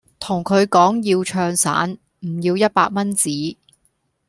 同佢講要唱散，唔要一百蚊紙